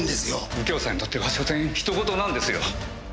右京さんにとってはしょせん他人事なんですよ。